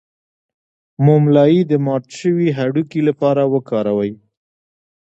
د موم لایی د مات شوي هډوکي لپاره وکاروئ